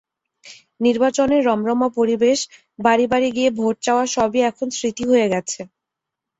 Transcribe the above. নির্বাচনের রমরমা পরিবেশ বাড়ি-বাড়ি গিয়ে ভোট চাওয়া সবই এখন স্মৃতি হয়ে গেছে।